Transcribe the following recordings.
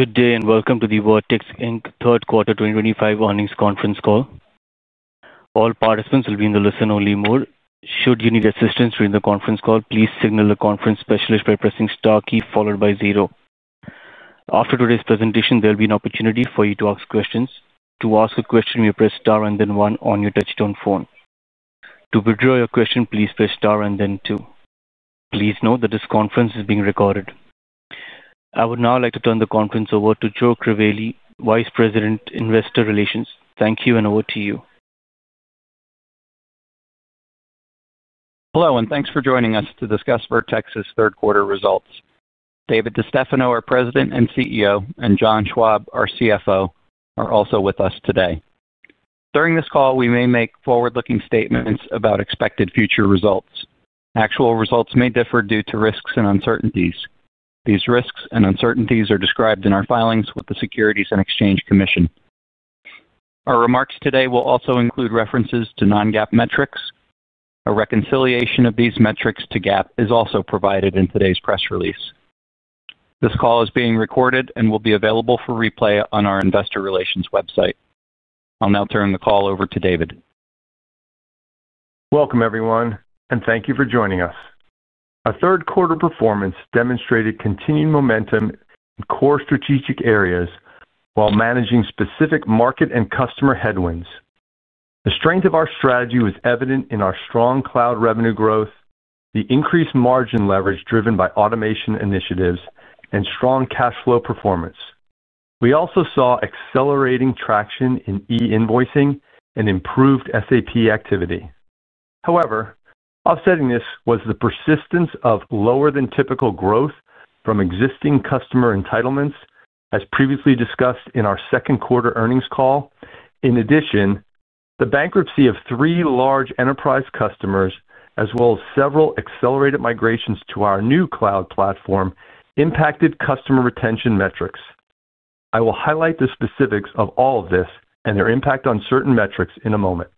Good day and welcome to the Vertex third quarter 2025 earnings conference call. All participants will be in the listen-only mode. Should you need assistance during the conference call, please signal the conference specialist by pressing the star key followed by zero. After today's presentation, there will be an opportunity for you to ask questions. To ask a question, you press star and then one on your touchtone phone. To withdraw your question, please press star and then two. Please note that this conference is being recorded. I would now like to turn the conference over to Joe Crivelli, Vice President, Investor Relations. Thank you and over to you. Hello and thanks for joining us to discuss Vertex's third quarter results. David DeStefano, our President and CEO, and John Schwab, our CFO, are also with us today. During this call, we may make forward-looking statements about expected future results. Actual results may differ due to risks and uncertainties. These risks and uncertainties are described in our filings with the Securities and Exchange Commission. Our remarks today will also include references to non-GAAP metrics. A reconciliation of these metrics to GAAP is also provided in today's press release. This call is being recorded and will be available for replay on our Investor Relations website. I'll now turn the call over to David. Welcome, everyone, and thank you for joining us. Our third quarter performance demonstrated continued momentum in core strategic areas while managing specific market and customer headwinds. The strength of our strategy was evident in our strong cloud revenue growth, the increased margin leverage driven by automation initiatives, and strong cash flow performance. We also saw accelerating traction in e-invoicing and improved SAP activity. However, offsetting this was the persistence of lower-than-typical growth from existing customer entitlements, as previously discussed in our second quarter earnings call. In addition, the bankruptcy of three large enterprise customers, as well as several accelerated migrations to our new cloud platform, impacted customer retention metrics. I will highlight the specifics of all of this and their impact on certain metrics in a moment.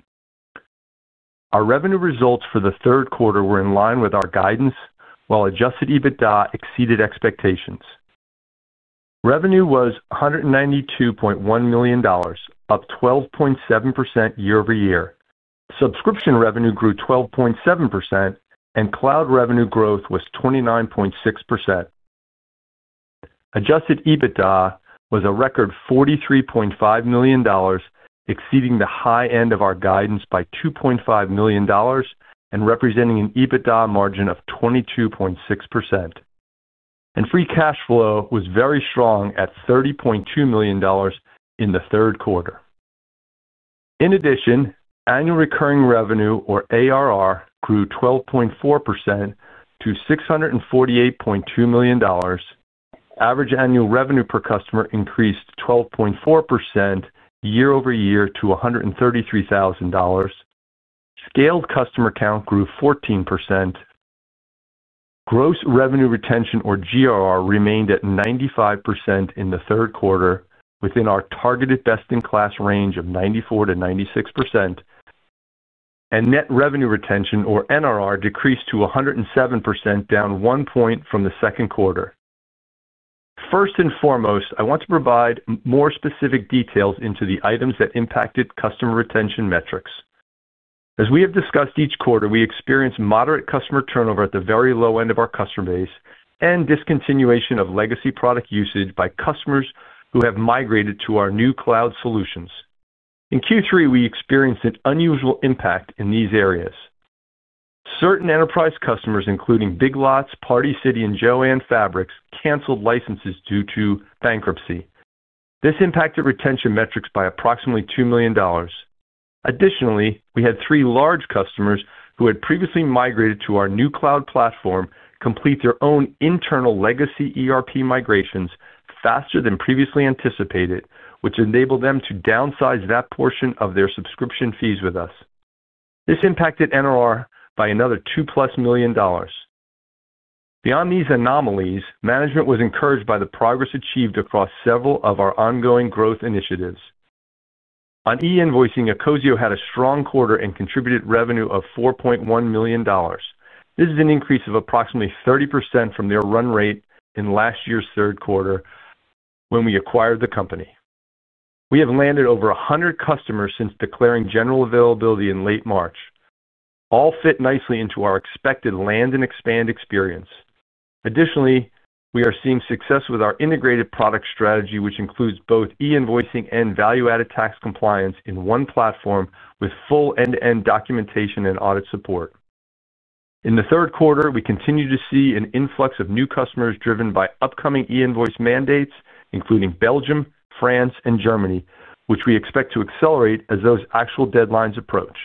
Our revenue results for the third quarter were in line with our guidance, while adjusted EBITDA exceeded expectations. Revenue was $192.1 million, up 12.7% year-over-year. Subscription revenue grew 12.7%, and cloud revenue growth was 29.6%. Adjusted EBITDA was a record $43.5 million, exceeding the high end of our guidance by $2.5 million. This represented an EBITDA margin of 22.6%. Free cash flow was very strong at $30.2 million in the third quarter. In addition, annual recurring revenue, or ARR, grew 12.4% to $648.2 million. Average annual revenue per customer increased 12.4% year-over-year to $133,000. Scaled customer count grew 14%. Gross revenue retention, or GRR, remained at 95% in the third quarter, within our targeted best-in-class range of 94-96%. Net revenue retention, or NRR, decreased to 107%, down one point from the second quarter. First and foremost, I want to provide more specific details into the items that impacted customer retention metrics. As we have discussed each quarter, we experienced moderate customer turnover at the very low end of our customer base and discontinuation of legacy product usage by customers who have migrated to our new cloud solutions. In Q3, we experienced an unusual impact in these areas. Certain enterprise customers, including Big Lots, Party City, and JOANN Fabrics, canceled licenses due to bankruptcy. This impacted retention metrics by approximately $2 million. Additionally, we had three large customers who had previously migrated to our new cloud platform complete their own internal legacy ERP migrations faster than previously anticipated, which enabled them to downsize that portion of their subscription fees with us. This impacted NRR by another $2 million plus. Beyond these anomalies, management was encouraged by the progress achieved across several of our ongoing growth initiatives. On e-invoicing, ACOSIO had a strong quarter and contributed revenue of $4.1 million. This is an increase of approximately 30% from their run rate in last year's third quarter when we acquired the company. We have landed over 100 customers since declaring general availability in late March. All fit nicely into our expected land and expand experience. Additionally, we are seeing success with our integrated product strategy, which includes both e-invoicing and value-added tax compliance in one platform with full end-to-end documentation and audit support. In the third quarter, we continue to see an influx of new customers driven by upcoming e-invoicing mandates, including Belgium, France, and Germany, which we expect to accelerate as those actual deadlines approach.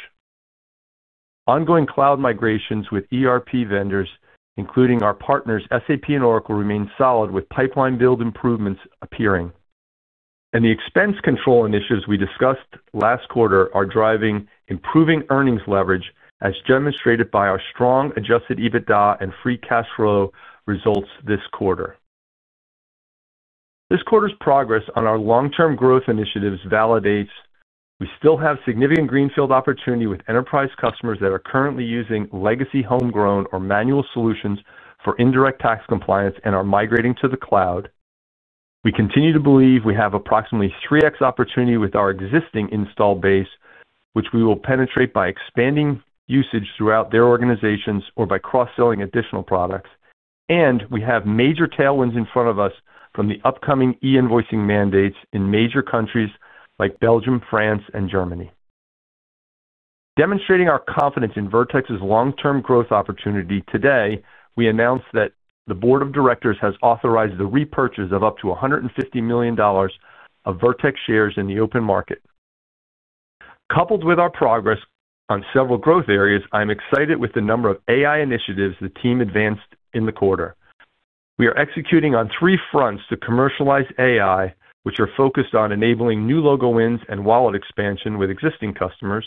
Ongoing cloud migrations with ERP vendors, including our partners SAP and Oracle, remain solid with pipeline build improvements appearing. The expense control initiatives we discussed last quarter are driving improving earnings leverage, as demonstrated by our strong adjusted EBITDA and free cash flow results this quarter. This quarter's progress on our long-term growth initiatives validates we still have significant greenfield opportunity with enterprise customers that are currently using legacy homegrown or manual solutions for indirect tax compliance and are migrating to the cloud. We continue to believe we have approximately 3X opportunity with our existing install base, which we will penetrate by expanding usage throughout their organizations or by cross-selling additional products. We have major tailwinds in front of us from the upcoming e-invoicing mandates in major countries like Belgium, France, and Germany. Demonstrating our confidence in Vertex's long-term growth opportunity today, we announced that the board of directors has authorized the repurchase of up to $150 million of Vertex shares in the open market. Coupled with our progress on several growth areas, I'm excited with the number of AI initiatives the team advanced in the quarter. We are executing on three fronts to commercialize AI, which are focused on enabling new logo wins and wallet expansion with existing customers,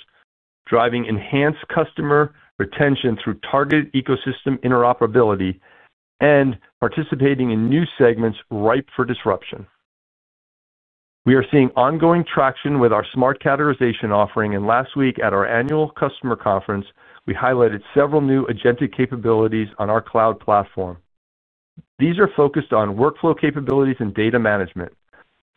driving enhanced customer retention through targeted ecosystem interoperability, and participating in new segments ripe for disruption. We are seeing ongoing traction with our Smart Categorization offering, and last week at our annual customer conference, we highlighted several new agentic capabilities on our cloud platform. These are focused on workflow capabilities and data management.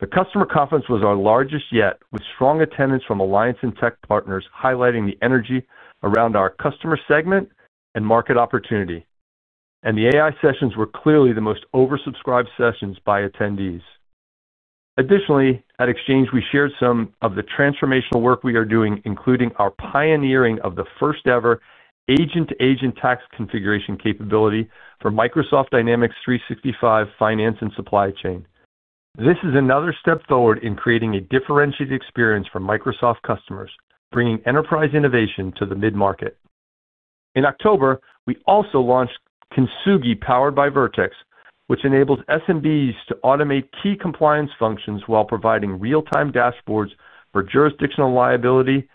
The customer conference was our largest yet, with strong attendance from alliance and tech partners highlighting the energy around our customer segment and market opportunity. The AI sessions were clearly the most oversubscribed sessions by attendees. Additionally, at Exchange, we shared some of the transformational work we are doing, including our pioneering of the first-ever agent-to-agent tax configuration capability for Microsoft Dynamics 365 Finance and Supply Chain. This is another step forward in creating a differentiated experience for Microsoft customers, bringing enterprise innovation to the mid-market. In October, we also launched Kintsugi powered by Vertex, which enables SMBs to automate key compliance functions while providing real-time dashboards for jurisdictional liability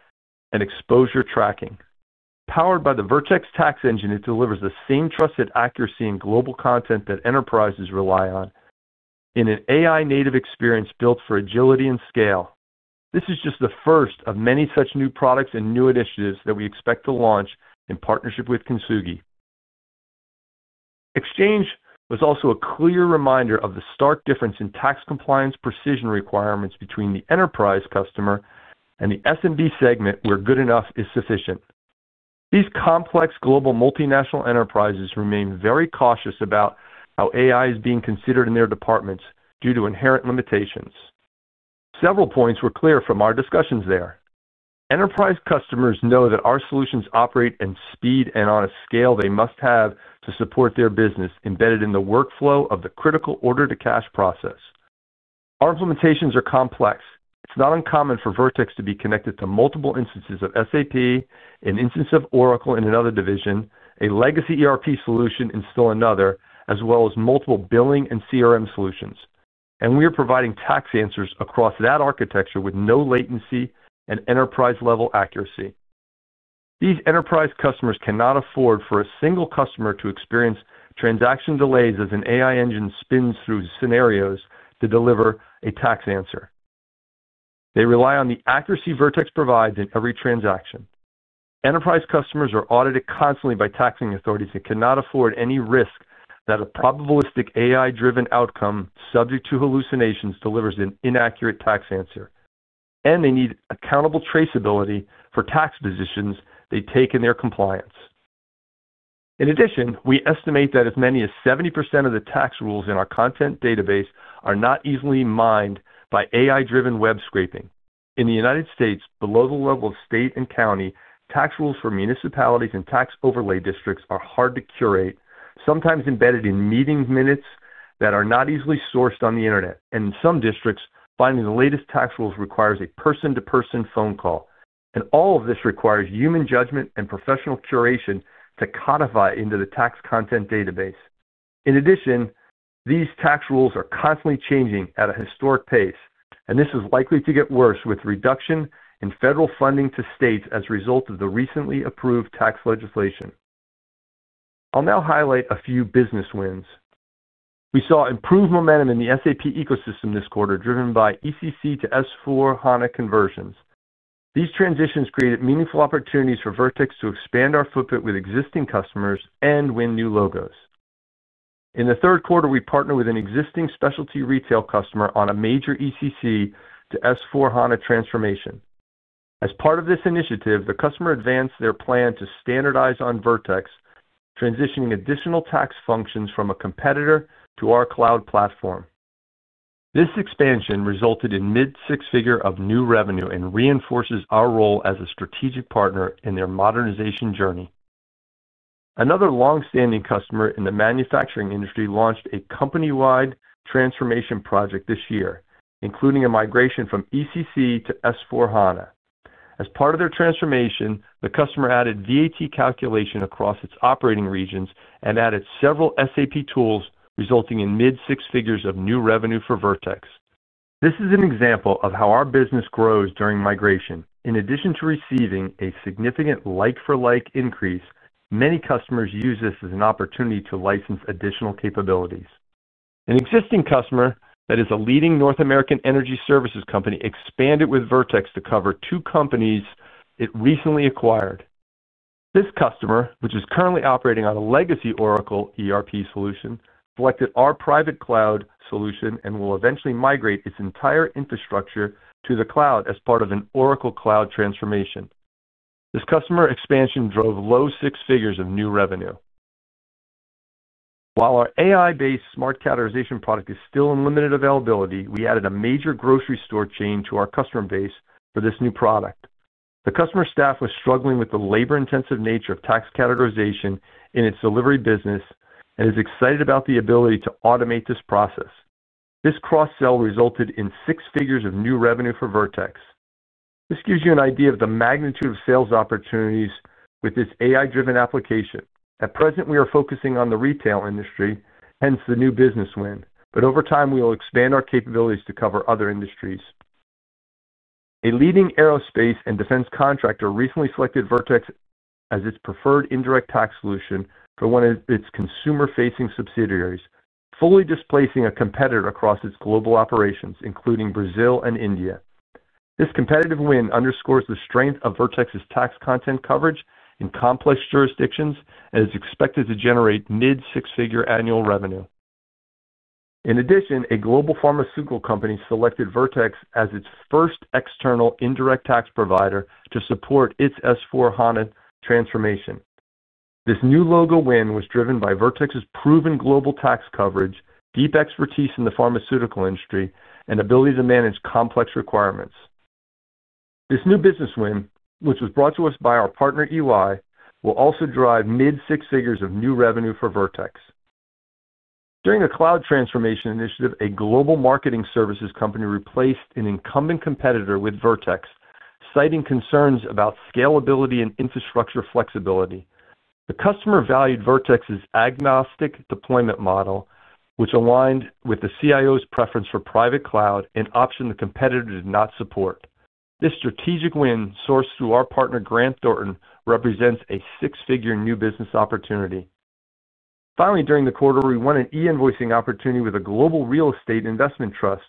and exposure tracking. Powered by the Vertex tax engine, it delivers the same trusted accuracy and global content that enterprises rely on in an AI-native experience built for agility and scale. This is just the first of many such new products and new initiatives that we expect to launch in partnership with Kintsugi. Exchange was also a clear reminder of the stark difference in tax compliance precision requirements between the enterprise customer and the SMB segment where good enough is sufficient. These complex global multinational enterprises remain very cautious about how AI is being considered in their departments due to inherent limitations. Several points were clear from our discussions there. Enterprise customers know that our solutions operate in speed and on a scale they must have to support their business embedded in the workflow of the critical order-to-cash process. Our implementations are complex. It's not uncommon for Vertex to be connected to multiple instances of SAP, an instance of Oracle in another division, a legacy ERP solution in still another, as well as multiple billing and CRM solutions. We are providing tax answers across that architecture with no latency and enterprise-level accuracy. These enterprise customers cannot afford for a single customer to experience transaction delays as an AI engine spins through scenarios to deliver a tax answer. They rely on the accuracy Vertex provides in every transaction. Enterprise customers are audited constantly by taxing authorities and cannot afford any risk that a probabilistic AI-driven outcome subject to hallucinations delivers an inaccurate tax answer. They need accountable traceability for tax decisions they take in their compliance. In addition, we estimate that as many as 70% of the tax rules in our content database are not easily mined by AI-driven web scraping. In the U.S., below the level of state and county, tax rules for municipalities and tax overlay districts are hard to curate, sometimes embedded in meeting minutes that are not easily sourced on the internet. In some districts, finding the latest tax rules requires a person-to-person phone call. All of this requires human judgment and professional curation to codify into the tax content database. In addition, these tax rules are constantly changing at a historic pace, and this is likely to get worse with reduction in federal funding to states as a result of the recently approved tax legislation. I'll now highlight a few business wins. We saw improved momentum in the SAP ecosystem this quarter, driven by ECC to S/4HANA conversions. These transitions created meaningful opportunities for Vertex to expand our footprint with existing customers and win new logos. In the third quarter, we partnered with an existing specialty retail customer on a major ECC to S/4HANA transformation. As part of this initiative, the customer advanced their plan to standardize on Vertex, transitioning additional tax functions from a competitor to our cloud platform. This expansion resulted in a mid-six-figure of new revenue and reinforces our role as a strategic partner in their modernization journey. Another long-standing customer in the manufacturing industry launched a company-wide transformation project this year, including a migration from ECC to S/4HANA. As part of their transformation, the customer added VAT calculation across its operating regions and added several SAP tools, resulting in mid-six figures of new revenue for Vertex. This is an example of how our business grows during migration. In addition to receiving a significant like-for-like increase, many customers use this as an opportunity to license additional capabilities. An existing customer that is a leading North American energy services company expanded with Vertex to cover two companies it recently acquired. This customer, which is currently operating on a legacy Oracle ERP solution, selected our private cloud solution and will eventually migrate its entire infrastructure to the cloud as part of an Oracle cloud transformation. This customer expansion drove low six figures of new revenue. While our AI-based Smart Categorization product is still in limited availability, we added a major grocery store chain to our customer base for this new product. The customer staff was struggling with the labor-intensive nature of tax categorization in its delivery business and is excited about the ability to automate this process. This cross-sell resulted in six figures of new revenue for Vertex. This gives you an idea of the magnitude of sales opportunities with this AI-driven application. At present, we are focusing on the retail industry, hence the new business win. Over time, we will expand our capabilities to cover other industries. A leading aerospace and defense contractor recently selected Vertex as its preferred indirect tax solution for one of its consumer-facing subsidiaries, fully displacing a competitor across its global operations, including Brazil and India. This competitive win underscores the strength of Vertex's tax content coverage in complex jurisdictions and is expected to generate mid-six-figure annual revenue. In addition, a global pharmaceutical company selected Vertex as its first external indirect tax provider to support its S/4HANA transformation. This new logo win was driven by Vertex's proven global tax coverage, deep expertise in the pharmaceutical industry, and ability to manage complex requirements. This new business win, which was brought to us by our partner EY, will also drive mid-six figures of new revenue for Vertex. During the cloud transformation initiative, a global marketing services company replaced an incumbent competitor with Vertex, citing concerns about scalability and infrastructure flexibility. The customer valued Vertex's agnostic deployment model, which aligned with the CIO's preference for private cloud and option the competitor did not support. This strategic win, sourced through our partner Grant Thornton, represents a six-figure new business opportunity. During the quarter, we won an e-invoicing opportunity with a global real estate investment trust,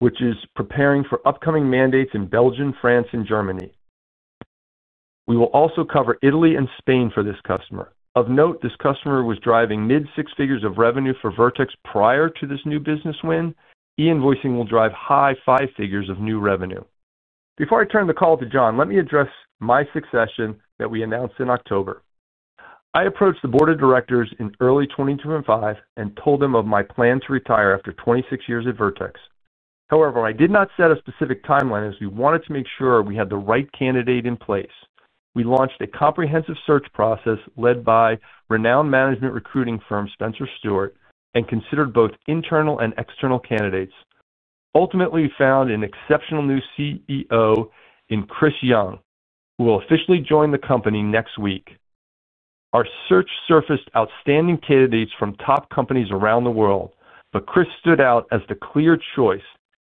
which is preparing for upcoming mandates in Belgium, France, and Germany. We will also cover Italy and Spain for this customer. Of note, this customer was driving mid-six figures of revenue for Vertex prior to this new business win. E-invoicing will drive high five figures of new revenue. Before I turn the call to John, let me address my succession that we announced in October. I approached the board of directors in early 2025 and told them of my plan to retire after 26 years at Vertex. However, I did not set a specific timeline as we wanted to make sure we had the right candidate in place. We launched a comprehensive search process led by renowned management recruiting firm Spencer Stuart and considered both internal and external candidates. Ultimately, we found an exceptional new CEO in Chris Young, who will officially join the company next week. Our search surfaced outstanding candidates from top companies around the world, but Chris stood out as the clear choice.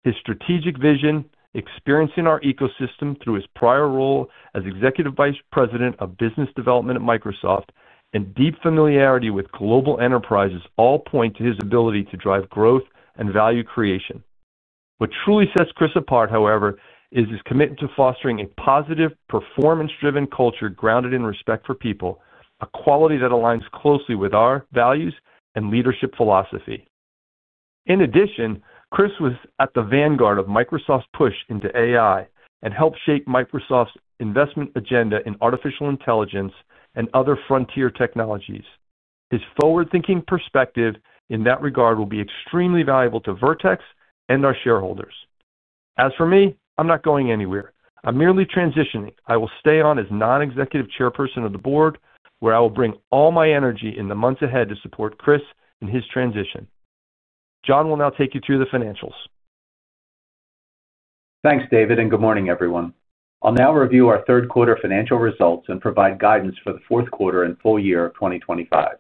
His strategic vision, experience in our ecosystem through his prior role as executive vice president of business development at Microsoft, and deep familiarity with global enterprises all point to his ability to drive growth and value creation. What truly sets Chris apart, however, is his commitment to fostering a positive, performance-driven culture grounded in respect for people, a quality that aligns closely with our values and leadership philosophy. In addition, Chris was at the vanguard of Microsoft's push into AI and helped shape Microsoft's investment agenda in artificial intelligence and other frontier technologies. His forward-thinking perspective in that regard will be extremely valuable to Vertex and our shareholders. As for me, I'm not going anywhere. I'm merely transitioning. I will stay on as non-executive chairperson of the board, where I will bring all my energy in the months ahead to support Chris and his transition. John will now take you through the financials. Thanks, David, and good morning, everyone. I'll now review our third-quarter financial results and provide guidance for the fourth quarter and full year of 2025.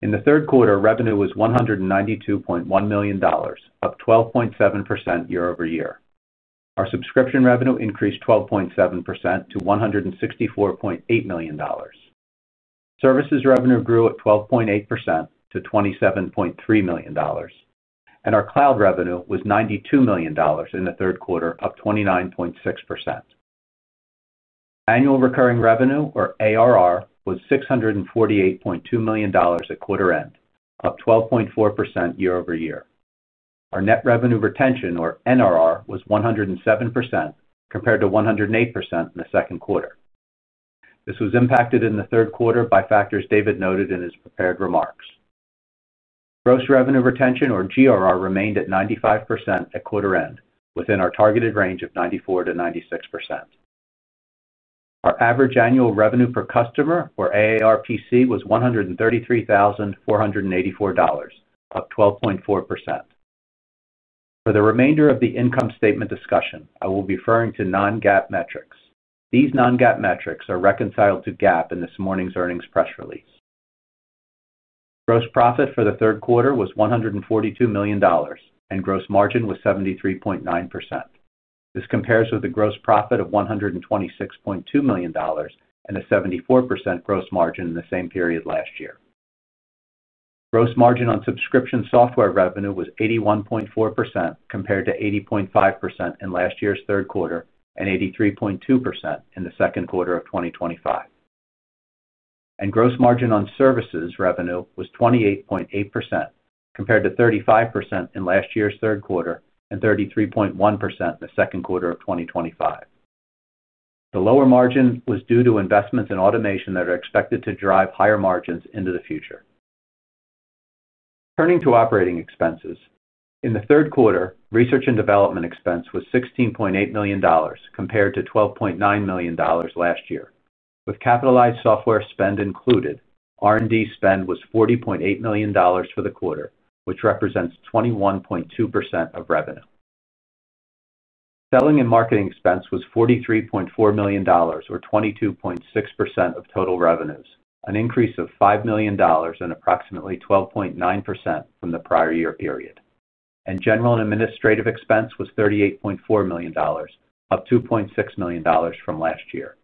In the third quarter, revenue was $192.1 million, up 12.7% year-over-year. Our subscription revenue increased 12.7% to $164.8 million. Services revenue grew at 12.8% to $27.3 million. Our cloud revenue was $92 million in the third quarter, up 29.6%. Annual recurring revenue, or ARR, was $648.2 million at quarter end, up 12.4% year-over-year. Our net revenue retention, or NRR, was 107% compared to 108% in the second quarter. This was impacted in the third quarter by factors David noted in his prepared remarks. Gross revenue retention, or GRR, remained at 95% at quarter end, within our targeted range of 94%-96%. Our average annual revenue per customer, or ARPC, was $133,484, up 12.4%. For the remainder of the income statement discussion, I will be referring to non-GAAP metrics. These non-GAAP metrics are reconciled to GAAP in this morning's earnings press release. Gross profit for the third quarter was $142 million, and gross margin was 73.9%. This compares with a gross profit of $126.2 million and a 74% gross margin in the same period last year. Gross margin on subscription software revenue was 81.4% compared to 80.5% in last year's third quarter and 83.2% in the second quarter of 2025. Gross margin on services revenue was 28.8% compared to 35% in last year's third quarter and 33.1% in the second quarter of 2025. The lower margin was due to investments in automation that are expected to drive higher margins into the future. Turning to operating expenses, in the third quarter, research and development expense was $16.8 million compared to $12.9 million last year. With capitalized software spend included, R&D spend was $40.8 million for the quarter, which represents 21.2% of revenue. Selling and marketing expense was $43.4 million, or 22.6% of total revenues, an increase of $5 million and approximately 12.9% from the prior year period. General and administrative expense was $38.4 million, up $2.6 million from last year.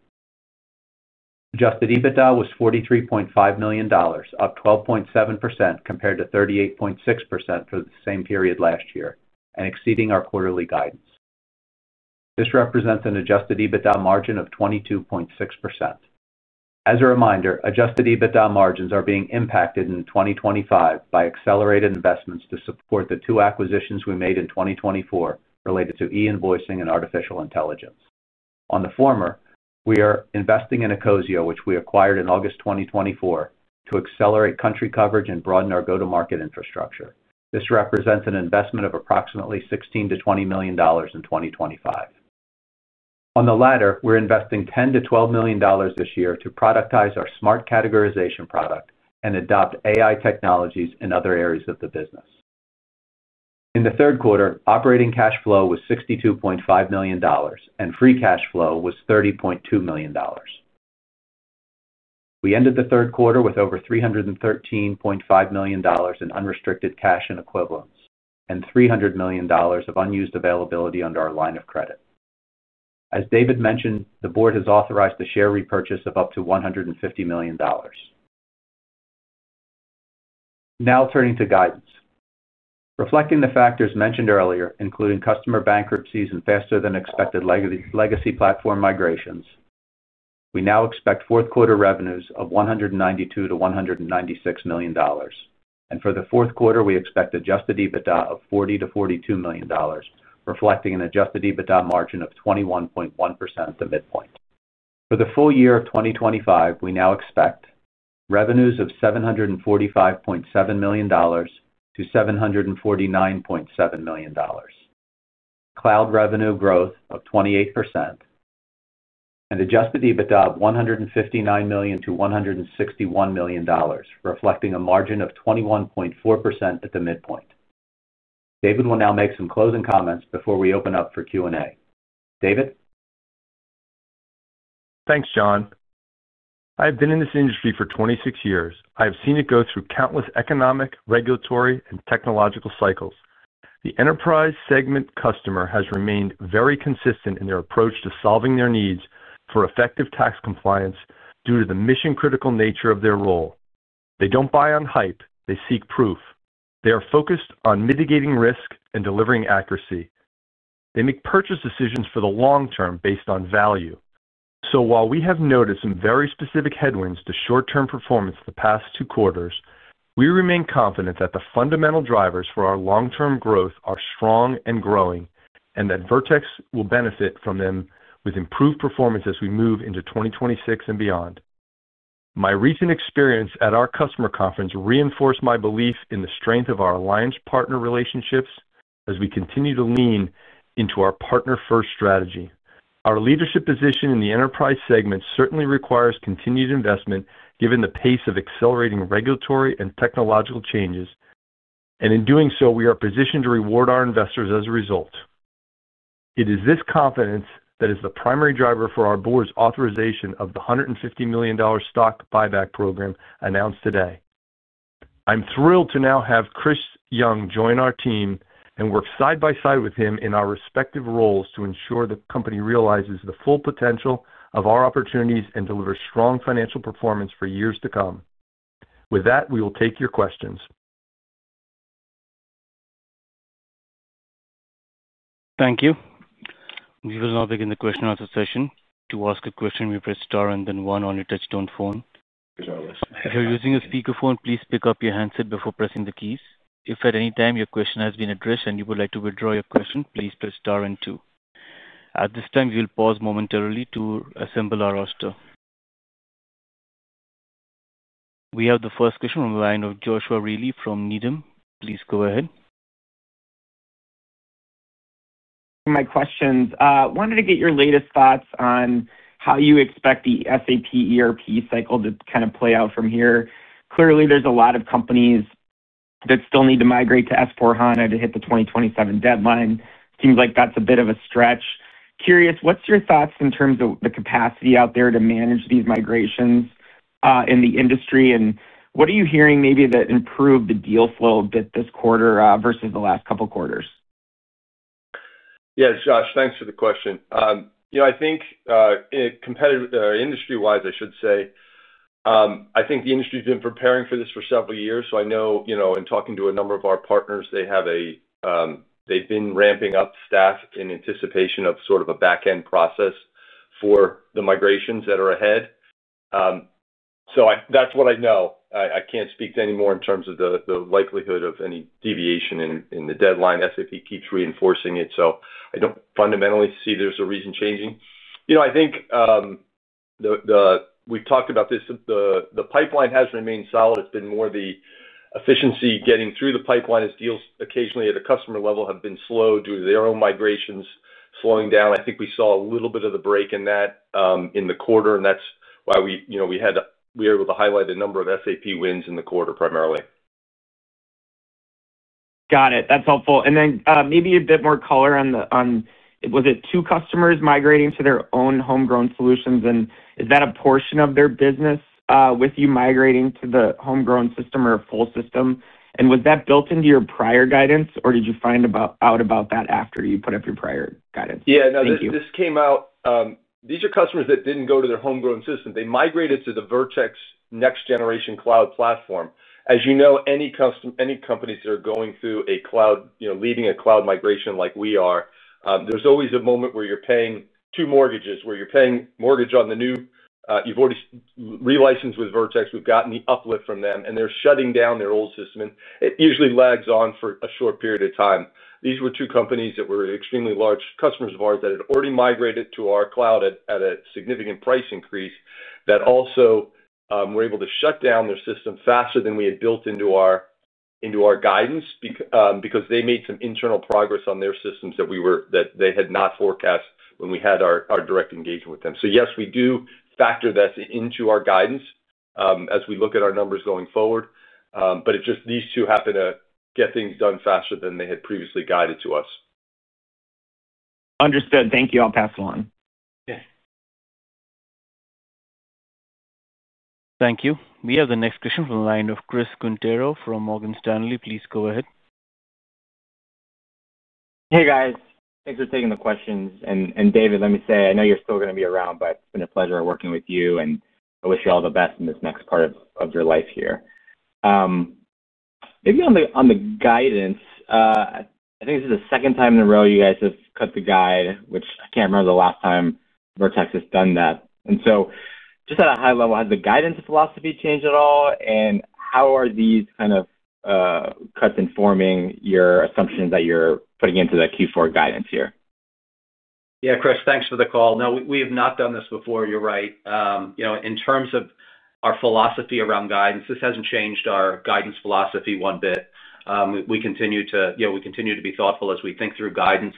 Adjusted EBITDA was $43.5 million, up 12.7% compared to $38.6 million for the same period last year, and exceeding our quarterly guidance. This represents an adjusted EBITDA margin of 22.6%. As a reminder, adjusted EBITDA margins are being impacted in 2025 by accelerated investments to support the two acquisitions we made in 2024 related to e-invoicing and artificial intelligence. On the former, we are investing in ACOSIO, which we acquired in August 2024 to accelerate country coverage and broaden our go-to-market infrastructure. This represents an investment of approximately $16 million-$20 million in 2025. On the latter, we're investing $10 million-$12 million this year to productize our Smart Categorization product and adopt AI technologies in other areas of the business. In the third quarter, operating cash flow was $62.5 million, and free cash flow was $30.2 million. We ended the third quarter with over $313.5 million in unrestricted cash and equivalents, and $300 million of unused availability under our line of credit. As David mentioned, the board has authorized the share repurchase of up to $150 million. Now turning to guidance. Reflecting the factors mentioned earlier, including customer bankruptcies and faster-than-expected legacy platform migrations, we now expect fourth-quarter revenues of $192 million-$196 million. For the fourth quarter, we expect adjusted EBITDA of $40 million-$42 million, reflecting an adjusted EBITDA margin of 21.1% at the midpoint. For the full year of 2025, we now expect revenues of $745.7 million-$749.7 million. Cloud revenue growth of 28%. Adjusted EBITDA of $159 million-$161 million, reflecting a margin of 21.4% at the midpoint. David will now make some closing comments before we open up for Q&A. David? Thanks, John. I have been in this industry for 26 years. I have seen it go through countless economic, regulatory, and technological cycles. The enterprise segment customer has remained very consistent in their approach to solving their needs for effective tax compliance due to the mission-critical nature of their role. They don't buy on hype. They seek proof. They are focused on mitigating risk and delivering accuracy. They make purchase decisions for the long term based on value. While we have noticed some very specific headwinds to short-term performance the past two quarters, we remain confident that the fundamental drivers for our long-term growth are strong and growing and that Vertex will benefit from them with improved performance as we move into 2026 and beyond. My recent experience at our customer conference reinforced my belief in the strength of our alliance partner relationships as we continue to lean into our partner-first strategy. Our leadership position in the enterprise segment certainly requires continued investment given the pace of accelerating regulatory and technological changes, and in doing so, we are positioned to reward our investors as a result. It is this confidence that is the primary driver for our board's authorization of the $150 million stock buyback program announced today. I'm thrilled to now have Chris Young join our team and work side by side with him in our respective roles to ensure the company realizes the full potential of our opportunities and delivers strong financial performance for years to come. With that, we will take your questions. Thank you. We will now begin the question-and-answer session. To ask a question, press star and then one on your touchstone phone. If you're using a speakerphone, please pick up your handset before pressing the keys. If at any time your question has been addressed and you would like to withdraw your question, please press star and two. At this time, we will pause momentarily to assemble our roster. We have the first question from the line of Joshua Reilly from Needham. Please go ahead. My questions, I wanted to get your latest thoughts on how you expect the SAP ERP cycle to kind of play out from here. Clearly, there's a lot of companies that still need to migrate to S/4HANA to hit the 2027 deadline. Seems like that's a bit of a stretch. Curious, what's your thoughts in terms of the capacity out there to manage these migrations in the industry? What are you hearing maybe that improved the deal flow a bit this quarter versus the last couple of quarters? Yeah, Josh, thanks for the question. I think industry-wise, I should say, I think the industry has been preparing for this for several years. I know in talking to a number of our partners, they've been ramping up staff in anticipation of sort of a back-end process for the migrations that are ahead. That's what I know. I can't speak to any more in terms of the likelihood of any deviation in the deadline, SAP keeps reinforcing it, so I don't fundamentally see there's a reason changing. I think we've talked about this. The pipeline has remained solid. It's been more the efficiency getting through the pipeline as deals occasionally at a customer level have been slow due to their own migrations slowing down. I think we saw a little bit of a break in that in the quarter, and that's why we had to be able to highlight a number of SAP wins in the quarter primarily. Got it. That's helpful. And then maybe a bit more color on. Was it two customers migrating to their own homegrown solutions, and is that a portion of their business with you migrating to the homegrown system or a full system? And was that built into your prior guidance, or did you find out about that after you put up your prior guidance? Yeah, no, this came out. These are customers that didn't go to their homegrown system. They migrated to the Vertex Next Generation Cloud Platform. As you know, any companies that are going through a cloud, leading a cloud migration like we are, there's always a moment where you're paying two mortgages, where you're paying mortgage on the new. You've already relicensed with Vertex. We've gotten the uplift from them, and they're shutting down their old system, and it usually lags on for a short period of time. These were two companies that were extremely large customers of ours that had already migrated to our cloud at a significant price increase that also were able to shut down their system faster than we had built into our guidance because they made some internal progress on their systems that they had not forecast when we had our direct engagement with them. So yes, we do factor that into our guidance as we look at our numbers going forward, but it's just these two happen to get things done faster than they had previously guided to us. Understood. Thank you. I'll pass along. Thank you. We have the next question from the line of Chris Quintero from Morgan Stanley. Please go ahead. Hey, guys. Thanks for taking the questions. And David, let me say, I know you're still going to be around, but it's been a pleasure working with you, and I wish you all the best in this next part of your life here. Maybe on the guidance. I think this is the second time in a row you guys have cut the guide, which I can't remember the last time Vertex has done that. And just at a high level, has the guidance philosophy changed at all? And how are these kind of cuts informing your assumptions that you're putting into the Q4 guidance here? Yeah, Chris, thanks for the call. No, we have not done this before. You're right. In terms of our philosophy around guidance, this hasn't changed our guidance philosophy one bit. We continue to be thoughtful as we think through guidance.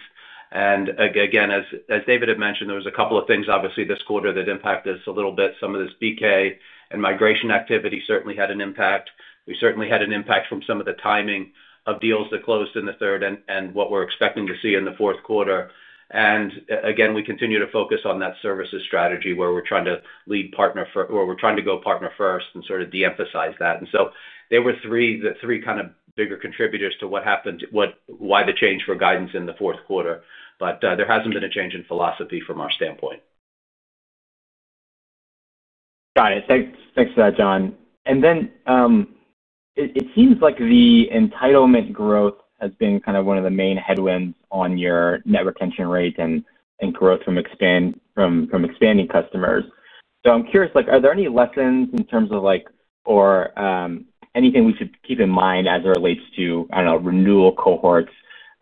And again, as David had mentioned, there was a couple of things, obviously, this quarter that impacted us a little bit. Some of this BK and migration activity certainly had an impact. We certainly had an impact from some of the timing of deals that closed in the third and what we are expecting to see in the fourth quarter. Again, we continue to focus on that services strategy where we are trying to lead partner for where we are trying to go partner first and sort of de-emphasize that. There were three kind of bigger contributors to what happened, why the change for guidance in the fourth quarter, but there has not been a change in philosophy from our standpoint. Got it. Thanks for that, John. It seems like the entitlement growth has been kind of one of the main headwinds on your net retention rate and growth from expanding customers. I am curious, are there any lessons in terms of, or anything we should keep in mind as it relates to, I do not know, renewal cohorts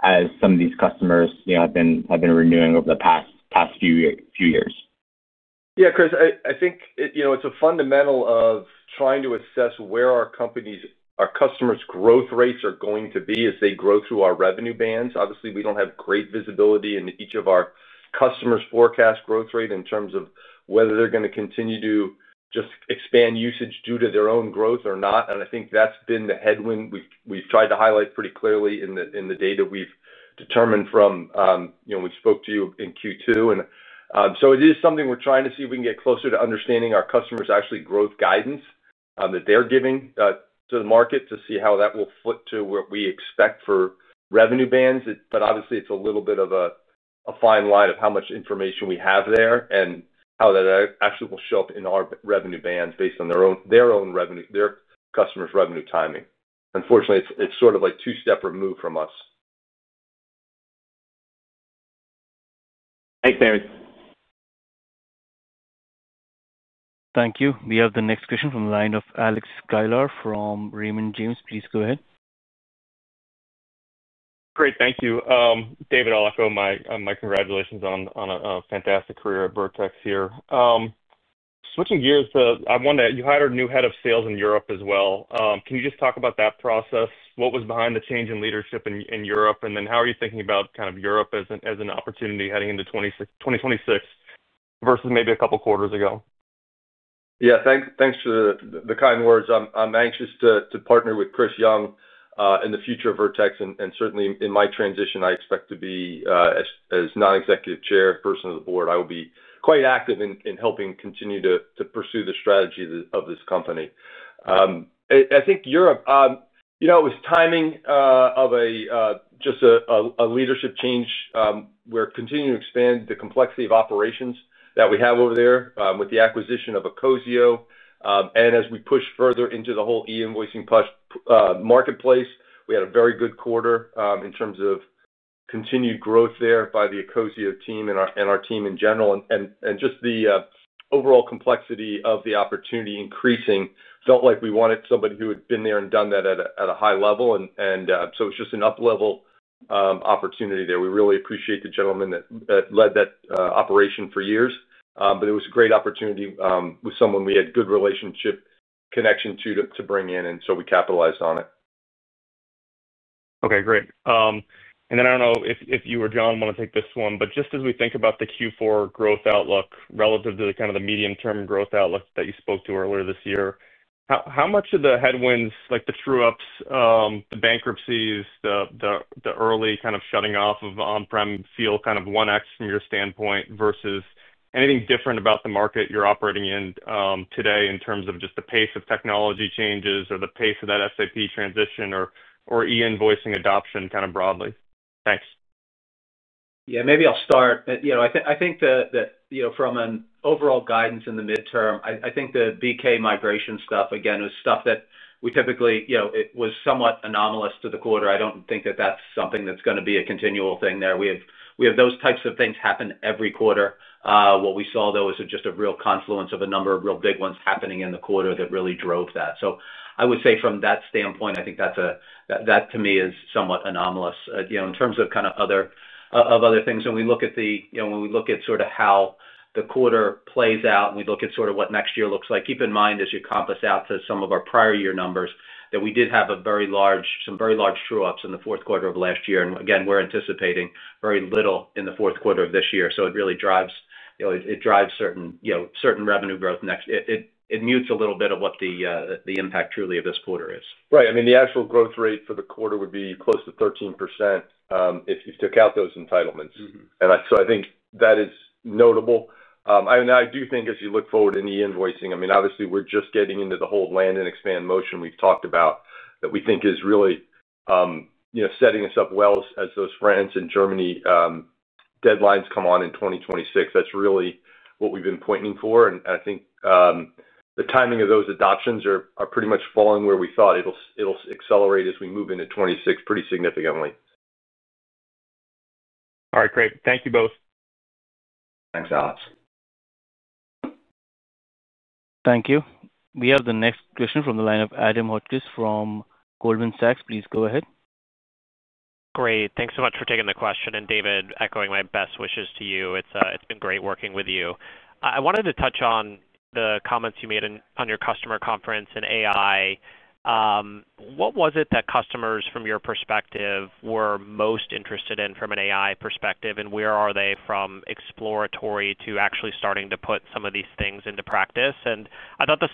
as some of these customers have been renewing over the past few years? Yeah, Chris, I think it is a fundamental of trying to assess where our customers' growth rates are going to be as they grow through our revenue bands. Obviously, we do not have great visibility in each of our customers' forecast growth rate in terms of whether they are going to continue to just expand usage due to their own growth or not. I think that has been the headwind we have tried to highlight pretty clearly in the data we determined from when we spoke to you in Q2. It is something we are trying to see if we can get closer to understanding our customers' actual growth guidance that they are giving to the market to see how that will flip to what we expect for revenue bands. Obviously, it is a little bit of a fine line of how much information we have there and how that actually will show up in our revenue bands based on their own customers' revenue timing. Unfortunately, it is sort of a two-step remove from us. Thanks, David. Thank you. We have the next question from the line of Alex Sklar from Raymond James. Please go ahead. Great. Thank you. David, my congratulations on a fantastic career at Vertex here. Switching gears, I want to—you hired a new head of sales in Europe as well. Can you just talk about that process? What was behind the change in leadership in Europe? How are you thinking about kind of Europe as an opportunity heading into 2026 versus maybe a couple of quarters ago? Yeah, thanks for the kind words. I am anxious to partner with Chris Young in the future of Vertex. Certainly, in my transition, I expect to be, as non-executive chairperson of the board, I will be quite active in helping continue to pursue the strategy of this company. I think Europe, it was timing of just a leadership change. We are continuing to expand the complexity of operations that we have over there with the acquisition of ACOSIO. As we push further into the whole e-invoicing marketplace, we had a very good quarter in terms of continued growth there by the ACOSIO team and our team in general. The overall complexity of the opportunity increasing felt like we wanted somebody who had been there and done that at a high level. It is just an up-level opportunity there. We really appreciate the gentleman that led that operation for years. It was a great opportunity with someone we had a good relationship connection to bring in, and we capitalized on it. Okay, great. I do not know if you or John want to take this one, but just as we think about the Q4 growth outlook relative to the medium-term growth outlook that you spoke to earlier this year, how much of the headwinds, like the true-ups, the bankruptcies, the early shutting off of on-prem feel kind of 1x from your standpoint versus anything different about the market you are operating in today in terms of just the pace of technology changes or the pace of that SAP transition or e-invoicing adoption broadly? Thanks. Yeah, maybe I will start. I think that from an overall guidance in the midterm, I think the BK migration stuff, again, was stuff that we typically—it was somewhat anomalous to the quarter. I do not think that is something that is going to be a continual thing there. We have those types of things happen every quarter. What we saw, though, was just a real confluence of a number of real big ones happening in the quarter that really drove that. I would say from that standpoint, I think that to me is somewhat anomalous in terms of other things. When we look at how the quarter plays out, and we look at what next year looks like, keep in mind as you compass out to some of our prior year numbers that we did have some very large true-ups in the fourth quarter of last year. Again, we are anticipating very little in the fourth quarter of this year. It really drives certain revenue growth. It mutes a little bit of what the impact truly of this quarter is. Right. The actual growth rate for the quarter would be close to 13% if you took out those entitlements. I think that is notable. I do think as you look forward in the invoicing, obviously, we are just getting into the whole land and expand motion we have talked about that we think is really setting us up well as those France and Germany deadlines come on in 2026. That is really what we have been pointing for. I think the timing of those adoptions are pretty much falling where we thought. It will accelerate as we move into 2026 pretty significantly. All right, great. Thank you both. Thanks, Alex. Thank you. We have the next question from the line of Adam Hodges from Goldman Sachs. Please go ahead. Great. Thanks so much for taking the question. And David, echoing my best wishes to you. It's been great working with you. I wanted to touch on the comments you made on your customer conference and AI. What was it that customers, from your perspective, were most interested in from an AI perspective? And where are they from exploratory to actually starting to put some of these things into practice? I thought the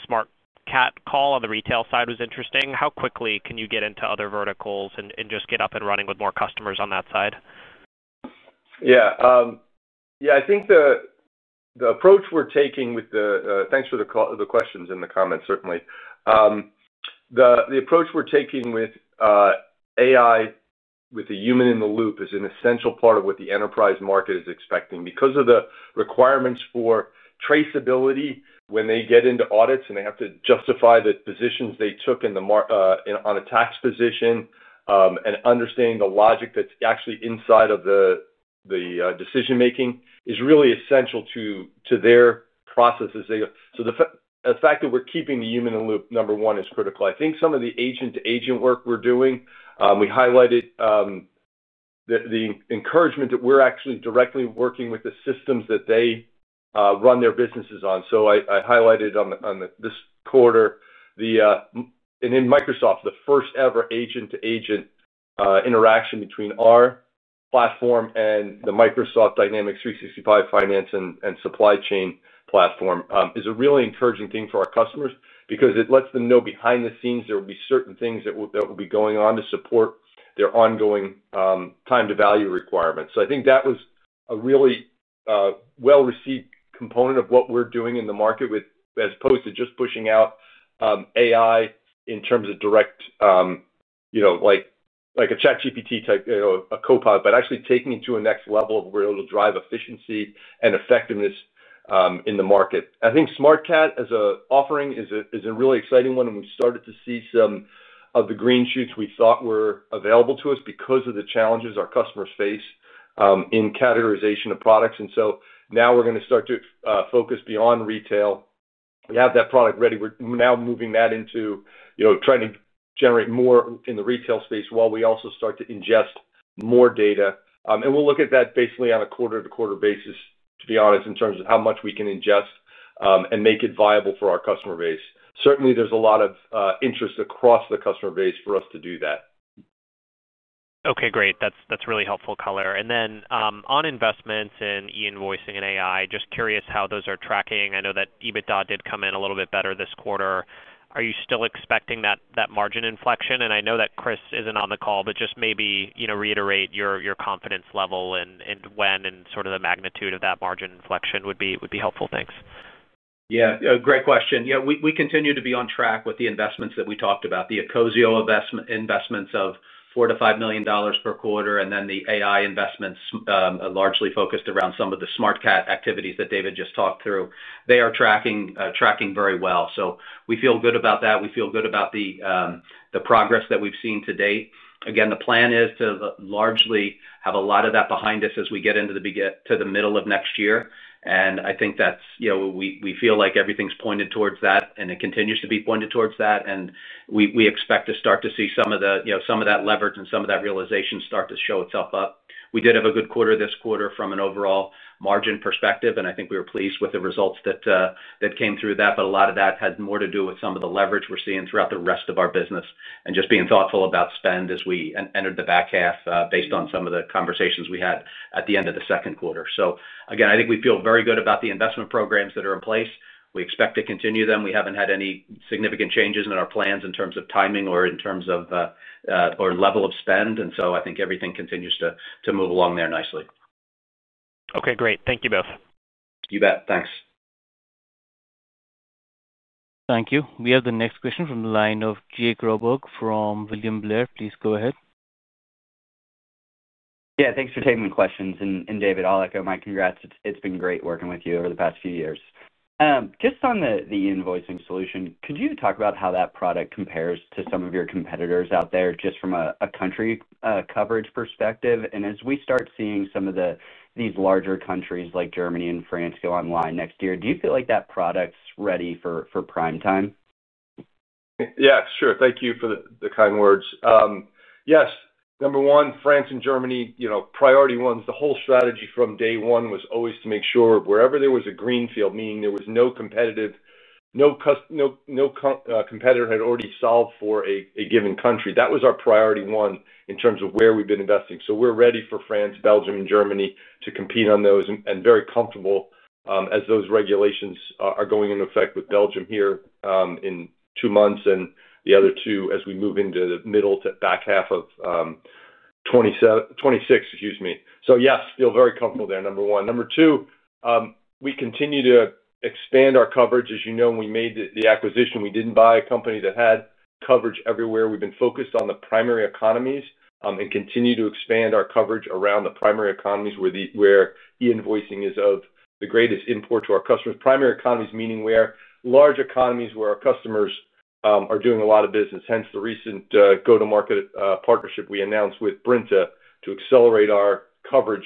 SmartCat call on the retail side was interesting. How quickly can you get into other verticals and just get up and running with more customers on that side? Yeah, I think the approach we're taking with the—thanks for the questions and the comments, certainly. The approach we're taking with AI, with the human in the loop, is an essential part of what the enterprise market is expecting because of the requirements for traceability when they get into audits and they have to justify the positions they took on a tax position. Understanding the logic that's actually inside of the decision-making is really essential to their processes. The fact that we're keeping the human in the loop, number one, is critical. I think some of the agent-to-agent work we're doing, we highlighted. The encouragement that we're actually directly working with the systems that they run their businesses on. I highlighted on this quarter. In Microsoft, the first-ever agent-to-agent interaction between our platform and the Microsoft Dynamics 365 Finance and Supply Chain platform is a really encouraging thing for our customers because it lets them know behind the scenes there will be certain things that will be going on to support their ongoing time-to-value requirements. I think that was a really well-received component of what we're doing in the market as opposed to just pushing out AI in terms of direct, like a ChatGPT type, a Copilot, but actually taking it to a next level of where it'll drive efficiency and effectiveness in the market. I think SmartCat as an offering is a really exciting one. We started to see some of the green shoots we thought were available to us because of the challenges our customers face in categorization of products. Now we're going to start to focus beyond retail. We have that product ready. We're now moving that into trying to generate more in the retail space while we also start to ingest more data. We'll look at that basically on a quarter-to-quarter basis, to be honest, in terms of how much we can ingest and make it viable for our customer base. Certainly, there's a lot of interest across the customer base for us to do that. Okay, great. That's really helpful, color. On investments in e-invoicing and AI, just curious how those are tracking. I know that EBITDA did come in a little bit better this quarter. Are you still expecting that margin inflection? I know that Chris isn't on the call, but just maybe reiterate your confidence level and when and sort of the magnitude of that margin inflection would be helpful. Thanks. Yeah. Great question. Yeah, we continue to be on track with the investments that we talked about, the ACOSIO investments of $4 million-$5 million per quarter, and then the AI investments largely focused around some of the Smart activities that David just talked through. They are tracking very well. We feel good about that. We feel good about the progress that we've seen to date. Again, the plan is to largely have a lot of that behind us as we get into the middle of next year. I think that's—we feel like everything's pointed towards that, and it continues to be pointed towards that. We expect to start to see some of that leverage and some of that realization start to show itself up. We did have a good quarter this quarter from an overall margin perspective, and I think we were pleased with the results that came through that. A lot of that had more to do with some of the leverage we're seeing throughout the rest of our business and just being thoughtful about spend as we entered the back half based on some of the conversations we had at the end of the second quarter. Again, I think we feel very good about the investment programs that are in place. We expect to continue them. We haven't had any significant changes in our plans in terms of timing or in terms of—or level of spend. I think everything continues to move along there nicely. Okay, great. Thank you both. You bet. Thanks. Thank you. We have the next question from the line of Jake Roberg from William Blair. Please go ahead. Yeah, thanks for taking the questions. David, my congrats. It's been great working with you over the past few years. Just on the e-invoicing solution, could you talk about how that product compares to some of your competitors out there just from a country coverage perspective? As we start seeing some of these larger countries like Germany and France go online next year, do you feel like that product's ready for prime time? Yeah, sure. Thank you for the kind words. Yes. Number one, France and Germany, priority ones. The whole strategy from day one was always to make sure wherever there was a greenfield, meaning there was no competitor had already solved for a given country. That was our priority one in terms of where we've been investing. We're ready for France, Belgium, and Germany to compete on those and very comfortable as those regulations are going into effect with Belgium here in two months and the other two as we move into the middle to back half of 2026, excuse me. Yes, still very comfortable there, number one. Number two, we continue to expand our coverage. As you know, when we made the acquisition, we did not buy a company that had coverage everywhere. We have been focused on the primary economies and continue to expand our coverage around the primary economies where e-invoicing is of the greatest import to our customers. Primary economies, meaning we have large economies where our customers are doing a lot of business. Hence, the recent go-to-market partnership we announced with Brenta to accelerate our coverage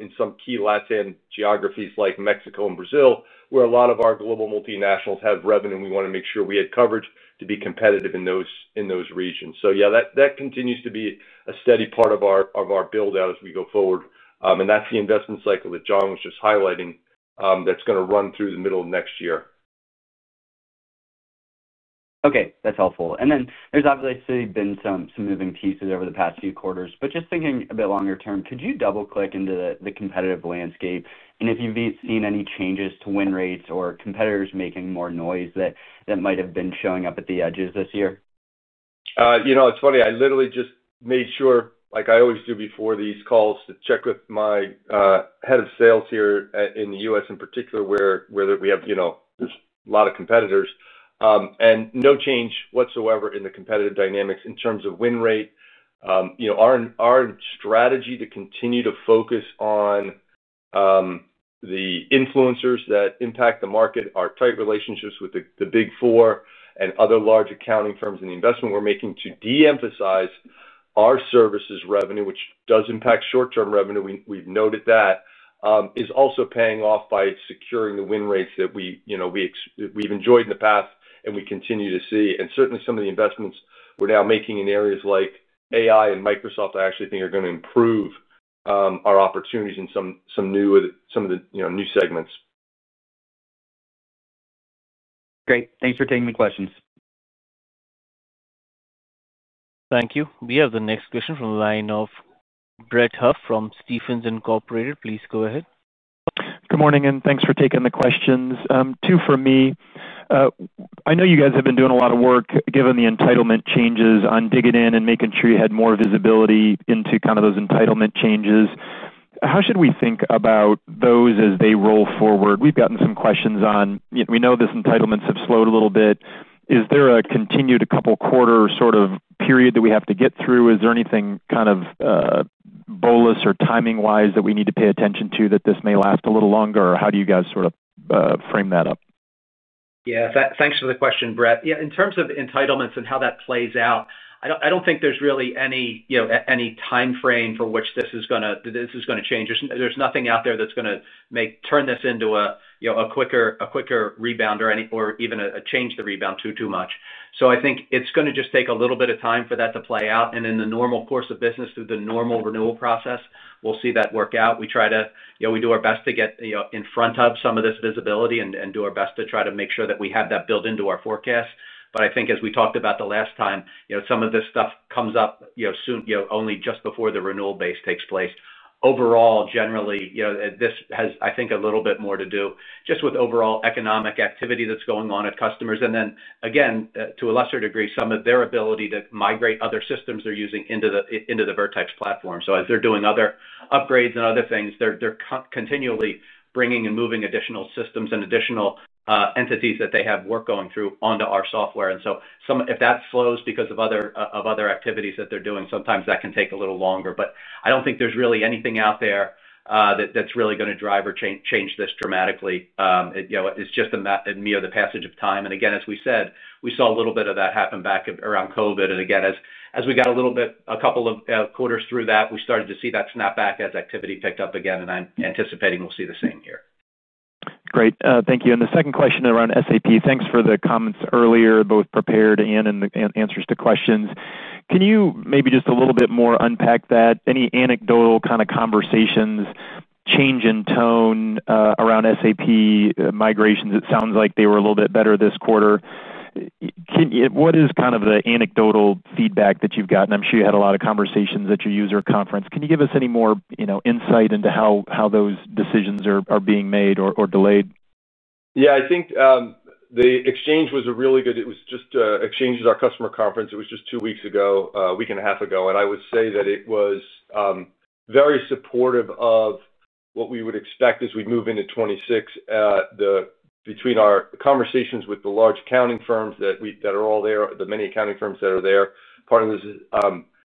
in some key Latin geographies like Mexico and Brazil, where a lot of our global multinationals have revenue. We want to make sure we had coverage to be competitive in those regions. That continues to be a steady part of our build-out as we go forward. That is the investment cycle that John was just highlighting that is going to run through the middle of next year. Okay. That is helpful. There have obviously been some moving pieces over the past few quarters. Just thinking a bit longer term, could you double-click into the competitive landscape? Have you seen any changes to win rates or competitors making more noise that might have been showing up at the edges this year? It is funny. I literally just made sure, like I always do before these calls, to check with my head of sales here in the U.S. in particular, where we have a lot of competitors. No change whatsoever in the competitive dynamics in terms of win rate. Our strategy to continue to focus on the influencers that impact the market, our tight relationships with the Big Four and other large accounting firms, and the investment we are making to de-emphasize our services revenue, which does impact short-term revenue—we have noted that—is also paying off by securing the win rates that we have enjoyed in the past and we continue to see. Certainly, some of the investments we are now making in areas like AI and Microsoft I actually think are going to improve our opportunities in some of the new segments. Great. Thanks for taking the questions. Thank you. We have the next question from the line of Brett Huff from Stephens Incorporated. Please go ahead. Good morning, and thanks for taking the questions. Two for me. I know you guys have been doing a lot of work given the entitlement changes on Digid and making sure you had more visibility into kind of those entitlement changes. How should we think about those as they roll forward? We have gotten some questions on—we know these entitlements have slowed a little bit. Is there a continued couple-quarter sort of period that we have to get through? Is there anything kind of, bolus or timing-wise, that we need to pay attention to that this may last a little longer? How do you guys sort of frame that up? Yeah. Thanks for the question, Brett. Yeah. In terms of entitlements and how that plays out, I do not think there is really any timeframe for which this is going to change. There is nothing out there that is going to turn this into a quicker rebound or even a change to rebound too much. I think it is going to just take a little bit of time for that to play out. In the normal course of business, through the normal renewal process, we will see that work out. We try to—we do our best to get in front of some of this visibility and do our best to try to make sure that we have that built into our forecast. I think, as we talked about the last time, some of this stuff comes up soon, only just before the renewal base takes place. Overall, generally, this has, I think, a little bit more to do just with overall economic activity that is going on at customers. Then, again, to a lesser degree, some of their ability to migrate other systems they are using into the Vertex platform. As they are doing other upgrades and other things, they are continually bringing and moving additional systems and additional entities that they have work going through onto our software. If that slows because of other activities that they are doing, sometimes that can take a little longer. I do not think there is really anything out there that is really going to drive or change this dramatically. It is just a matter of the passage of time. Again, as we said, we saw a little bit of that happen back around COVID. Again, as we got a little bit a couple of quarters through that, we started to see that snap back as activity picked up again. I am anticipating we will see the same here. Great. Thank you. The second question around SAP, thanks for the comments earlier, both prepared and in the answers to questions. Can you maybe just a little bit more unpack that? Any anecdotal kind of conversations, change in tone around SAP migrations? It sounds like they were a little bit better this quarter. What is kind of the anecdotal feedback that you have gotten? I am sure you had a lot of conversations at your user conference. Can you give us any more insight into how those decisions are being made or delayed? Yeah. I think the exchange was a really good—it was just exchanged at our customer conference. It was just two weeks ago, a week and a half ago. I would say that it was very supportive of what we would expect as we move into 2026. Between our conversations with the large accounting firms that are all there, the many accounting firms that are there, part of this is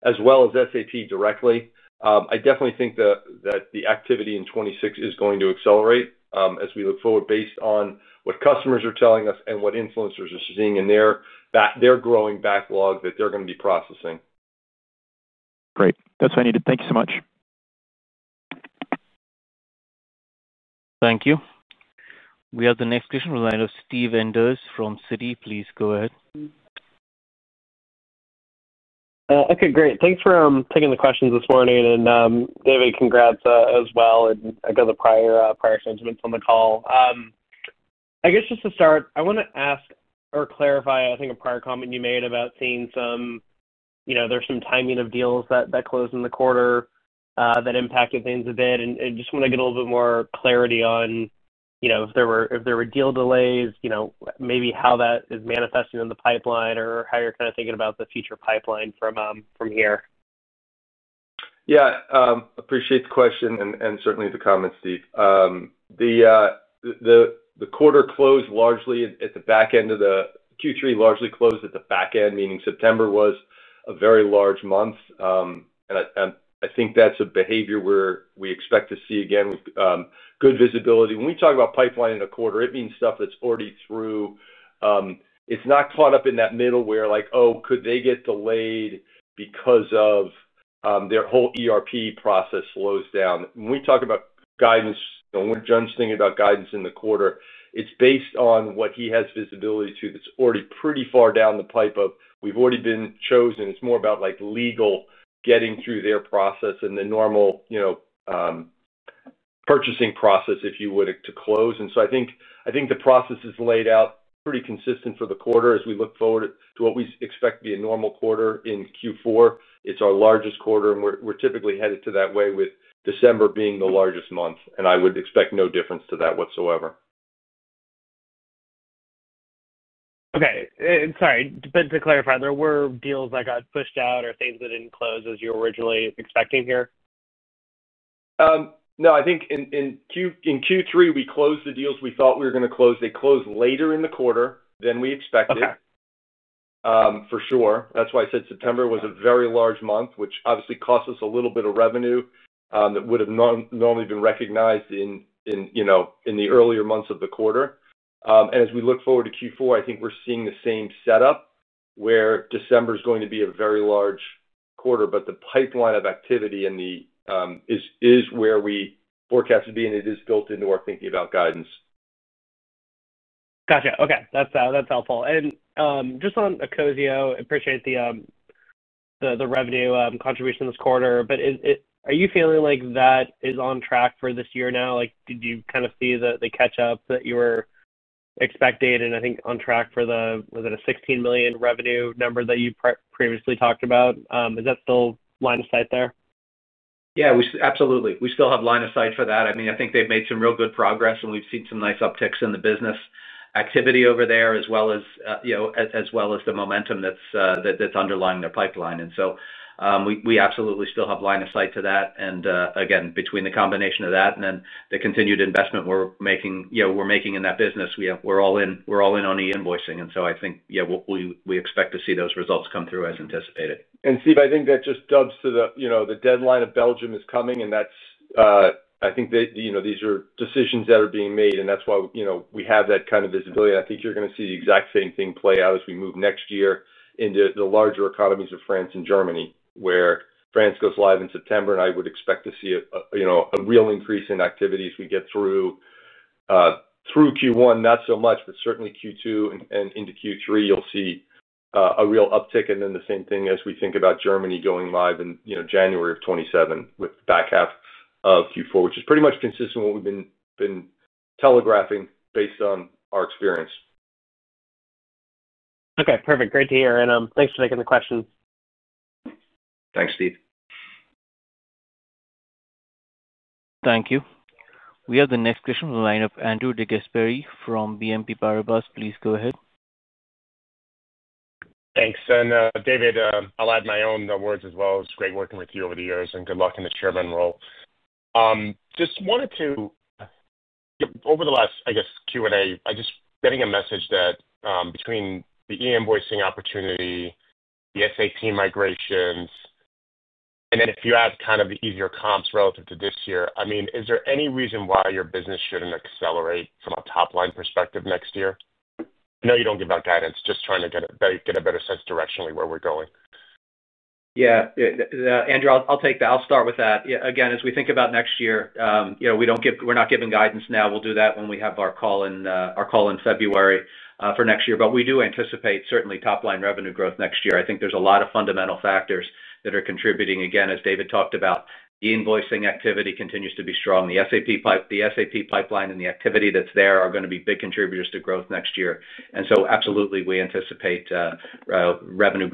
as well as SAP directly. I definitely think that the activity in 2026 is going to accelerate as we look forward based on what customers are telling us and what influencers are seeing in their growing backlog that they're going to be processing. Great. That's what I needed. Thank you so much. Thank you. We have the next question from the line of Steve Enders from Citi. Please go ahead. Okay. Great. Thanks for taking the questions this morning. And David, congrats as well. And I got the prior sentiments on the call. I guess just to start, I want to ask or clarify, I think, a prior comment you made about seeing some. There's some timing of deals that close in the quarter that impacted things a bit. And just want to get a little bit more clarity on. If there were deal delays, maybe how that is manifesting in the pipeline or how you're kind of thinking about the future pipeline from here. Yeah. Appreciate the question and certainly the comments, Steve. The quarter closed largely at the back end of the Q3, largely closed at the back end, meaning September was a very large month. I think that's a behavior we expect to see again with good visibility. When we talk about pipeline in a quarter, it means stuff that's already through. It's not caught up in that middle where like, "Oh, could they get delayed because of their whole ERP process slows down?" When we talk about guidance, when we're just thinking about guidance in the quarter, it's based on what he has visibility to that's already pretty far down the pipe of we've already been chosen. It's more about legal getting through their process and the normal purchasing process, if you would, to close. I think the process is laid out pretty consistent for the quarter as we look forward to what we expect to be a normal quarter in Q4. It's our largest quarter, and we're typically headed to that way with December being the largest month. I would expect no difference to that whatsoever. Okay. Sorry, to clarify, there were deals that got pushed out or things that didn't close as you were originally expecting here? No. I think in Q3, we closed the deals we thought we were going to close. They closed later in the quarter than we expected. For sure. That's why I said September was a very large month, which obviously cost us a little bit of revenue that would have normally been recognized in the earlier months of the quarter. As we look forward to Q4, I think we're seeing the same setup where December is going to be a very large quarter, but the pipeline of activity and the. Is where we forecast to be, and it is built into our thinking about guidance. Gotcha. Okay. That's helpful. And just on ACOSIO, I appreciate the revenue contribution this quarter. But are you feeling like that is on track for this year now? Did you kind of see the catch-up that you were expecting? And I think on track for the, was it a $16 million revenue number that you previously talked about? Is that still line of sight there? Yeah. Absolutely. We still have line of sight for that. I mean, I think they've made some real good progress, and we've seen some nice upticks in the business activity over there as well as the momentum that's underlying their pipeline. And so we absolutely still have line of sight to that. Again, between the combination of that and then the continued investment we're making in that business, we're all in on the invoicing. I think, yeah, we expect to see those results come through as anticipated. Steve, I think that just dubs to the deadline of Belgium is coming. I think these are decisions that are being made. That's why we have that kind of visibility. I think you're going to see the exact same thing play out as we move next year into the larger economies of France and Germany, where France goes live in September, and I would expect to see a real increase in activity as we get through. Q1, not so much, but certainly Q2 and into Q3, you'll see a real uptick. The same thing as we think about Germany going live in January of 2027 with the back half of Q4, which is pretty much consistent with what we've been telegraphing based on our experience. Okay. Perfect. Great to hear. Thanks for taking the questions. Thanks, Steve. Thank you. We have the next question from the line of Andrew DeGasperi from BNP Paribas. Please go ahead. Thanks. David, I'll add my own words as well. It's great working with you over the years, and good luck in the chairman role. Just wanted to, over the last, I guess, Q&A, I'm just getting a message that between the e-invoicing opportunity, the SAP migrations, and then if you add kind of the easier comps relative to this year, I mean, is there any reason why your business shouldn't accelerate from a top-line perspective next year? I know you don't give out guidance. Just trying to get a better sense directionally where we're going. Yeah. Andrew, I'll start with that. Again, as we think about next year, we're not giving guidance now. We'll do that when we have our call in February for next year. We do anticipate, certainly, top-line revenue growth next year. I think there's a lot of fundamental factors that are contributing. Again, as David talked about, the invoicing activity continues to be strong. The SAP pipeline and the activity that's there are going to be big contributors to growth next year. Absolutely, we anticipate revenue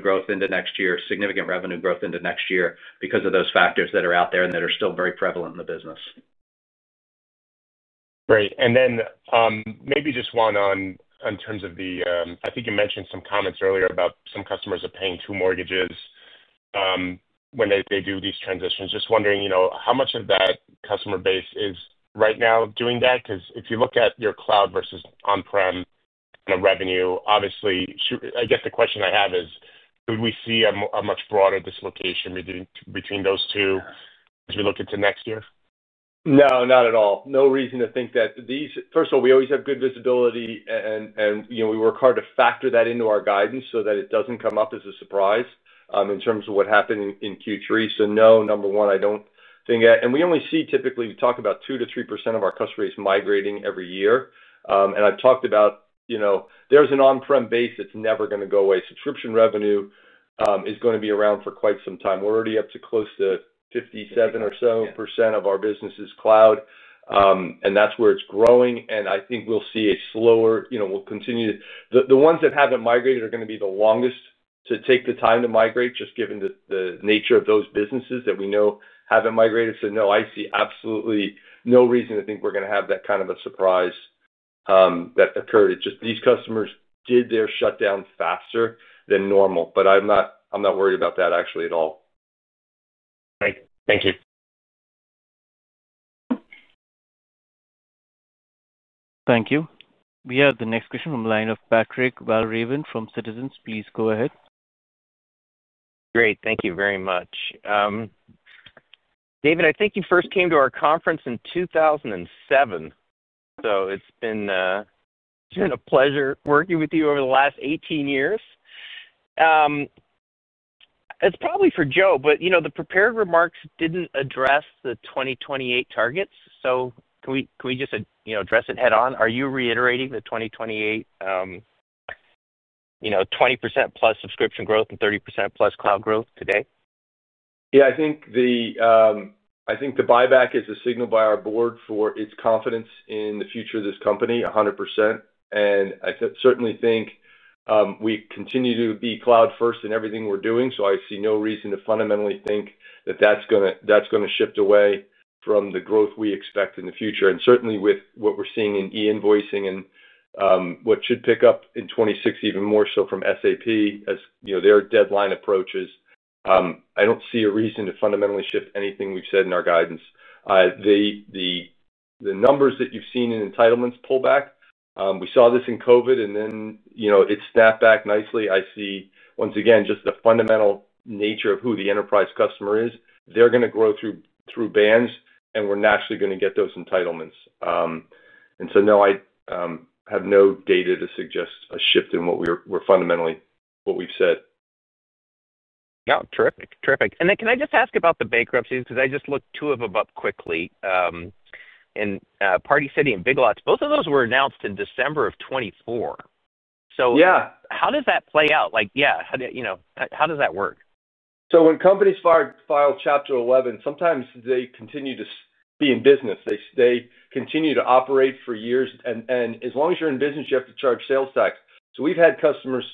growth into next year, significant revenue growth into next year because of those factors that are out there and that are still very prevalent in the business. Great. Maybe just one in terms of the, I think you mentioned some comments earlier about some customers are paying two mortgages when they do these transitions. Just wondering how much of that customer base is right now doing that? Because if you look at your cloud versus on-prem kind of revenue, obviously, I guess the question I have is, would we see a much broader dislocation between those two as we look into next year? No, not at all. No reason to think that. First of all, we always have good visibility, and we work hard to factor that into our guidance so that it doesn't come up as a surprise in terms of what happened in Q3. No, number one, I don't think that. We only see typically, we talk about 2%-3% of our customers migrating every year. I've talked about there's an on-prem base that's never going to go away. Subscription revenue is going to be around for quite some time. We're already up to close to 57 or so percent of our business's cloud, and that's where it's growing. I think we'll see a slower, we'll continue to, the ones that haven't migrated are going to be the longest to take the time to migrate just given the nature of those businesses that we know haven't migrated. No, I see absolutely no reason to think we're going to have that kind of a surprise that occurred. It's just these customers did their shutdown faster than normal. I'm not worried about that actually at all. Okay. Thank you. Thank you. We have the next question from the line of Patrick Val Raven from Citizens. Please go ahead. Great. Thank you very much. David, I think you first came to our conference in 2007. It's been a pleasure working with you over the last 18 years. It's probably for Joe, but the prepared remarks didn't address the 2028 targets. Can we just address it head-on? Are you reiterating the 2028 20%+ subscription growth and 30%+ cloud growth today? Yeah. I think the buyback is a signal by our board for its confidence in the future of this company, 100%. I certainly think we continue to be cloud-first in everything we're doing. I see no reason to fundamentally think that that's going to shift away from the growth we expect in the future. Certainly, with what we're seeing in e-invoicing and what should pick up in 2026 even more so from SAP as their deadline approaches, I don't see a reason to fundamentally shift anything we've said in our guidance. Numbers that you've seen in entitlements pullback, we saw this in COVID, and then it snapped back nicely. I see, once again, just the fundamental nature of who the enterprise customer is. They're going to grow through bands, and we're naturally going to get those entitlements. No, I have no data to suggest a shift in what we've said. No, terrific. Terrific. Can I just ask about the bankruptcies? Because I just looked two of them up quickly. Party City and Big Lots, both of those were announced in December of 2024. How does that play out? Yeah. How does that work? When companies file Chapter 11, sometimes they continue to be in business. They continue to operate for years. As long as you're in business, you have to charge sales tax. We've had customers